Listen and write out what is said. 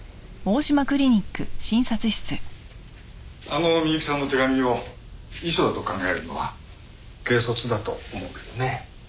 あの美雪さんの手紙を遺書だと考えるのは軽率だと思うけどね。